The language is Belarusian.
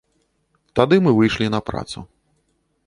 Тады мы выйшлі на працу.